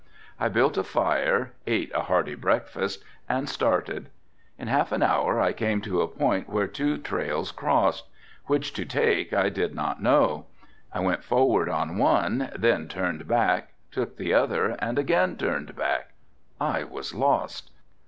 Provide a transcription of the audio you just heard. I built a fire, ate a hearty breakfast and started. In half an hour I came to a point where two trails crossed, which to take I did not know. I went forward on one, then turned back, took the other and again turned back. I was lost.